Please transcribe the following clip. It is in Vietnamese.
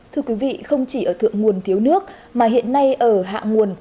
thưa quý vị không chỉ ở thượng nguồn thiếu nước mà hiện nay ở hạ nguồn